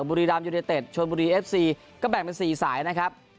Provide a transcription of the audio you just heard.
บุรีรามยูเนเต็ดชวนบุรีเอฟซีก็แบ่งเป็น๔สายนะครับ